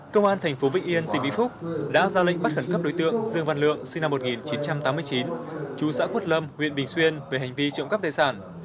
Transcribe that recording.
công an tp vĩnh yên tp phúc đã ra lệnh bắt hẳn cấp đối tượng dương văn lượng sinh năm một nghìn chín trăm tám mươi chín chú xã quất lâm huyện bình xuyên về hành vi trộm cắp tài sản